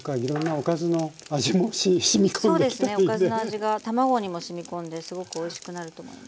おかずの味が卵にもしみ込んですごくおいしくなると思います。